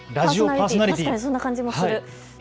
確かにそんな感じもする。